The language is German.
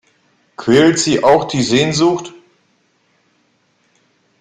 Quält Sie auch die Sehnsucht?